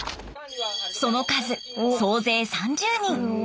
その数総勢３０人。